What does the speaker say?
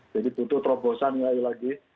jadi itu terobosan lagi